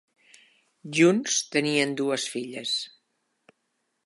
Junts, tenien dues filles.